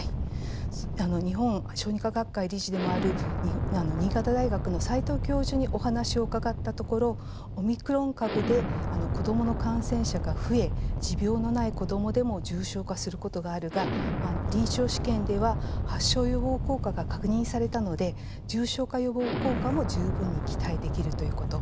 日本小児科学会理事でもある新潟大学の齋藤教授にお話を伺ったところオミクロン株で子どもの感染者が増え持病のない子どもでも重症化することがあるが臨床試験では発症予防効果が確認されたので重症化予防効果も十分に期待できるということ。